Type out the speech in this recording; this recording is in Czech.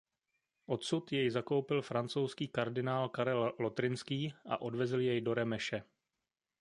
Odsud jej zakoupil francouzský kardinál Karel Lotrinský a odvezl jej do Remeše.